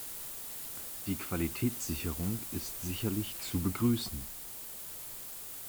Die Qualitätssicherung ist sicherlich zu begrüßen.